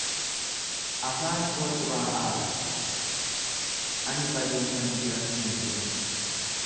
Afaan koo xuraa'aa dha, ani baduufan jiras nan jedhe.